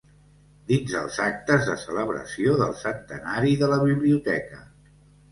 Dins els actes de celebració del Centenari de la Biblioteca.